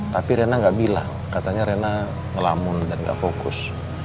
tapi rina gak bilang katanya rina ngelamun dan gak fokus